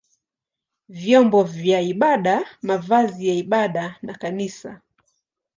vyombo vya ibada, mavazi ya ibada na kanisa.